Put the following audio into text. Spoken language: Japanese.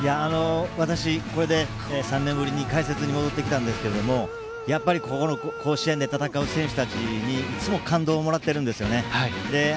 私、これで３年ぶりに解説に戻ってきたんですがやっぱり、この甲子園で戦う選手たちにいつも感動をもらっているんですよね。